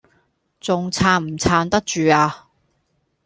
仲撐唔撐得住呀